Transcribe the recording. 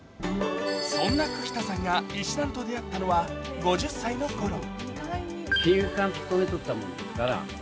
そんな久木田さんが石段と出会ったのは５０歳のころ。